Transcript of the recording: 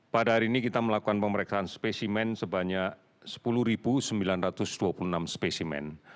pada hari ini kita melakukan pemeriksaan spesimen sebanyak sepuluh sembilan ratus dua puluh enam spesimen